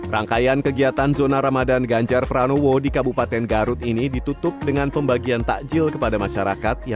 rangkaian kegiatan zona ramadan ganjar pranowo di kabupaten garut ini ditutup dengan pembagian takjil kepada masyarakat